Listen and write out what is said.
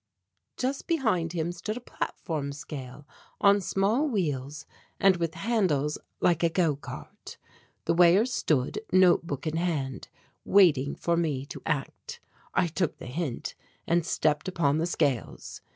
Just behind him stood a platform scale on small wheels and with handles like a go cart. The weigher stood, notebook in hand, waiting for me to act. I took the hint and stepped upon the scales.